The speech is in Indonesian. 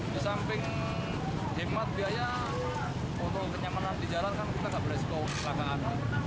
di samping hemat biaya untuk kenyamanan di jalan kan kita gak beresiko ke belakangan